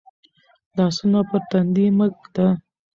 لاسونه پر تندي مه ږده.